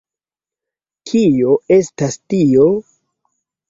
Kio estas tio??